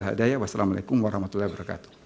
alhamdulillah wassalamu alaikum warahmatullahi wabarakatuh